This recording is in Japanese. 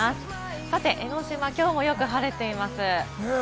さて江の島、きょうもよく晴れています。